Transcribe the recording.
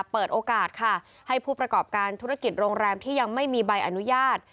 เปิดโอกาสค่ะให้ผู้ประกอบการธุรกิจโรงแรมที่ยังไม่มีใบอนุญาต